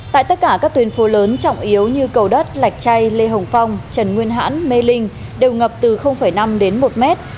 tại tất cả các tuyến phố lớn trọng yếu như cầu đất lạch chay lê hồng phong trần nguyên hãn mê linh đều ngập từ năm đến một mét